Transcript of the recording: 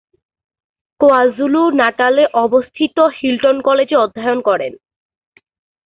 কোয়াজুলু-নাটালে অবস্থিত হিল্টন কলেজে অধ্যয়ন করেন।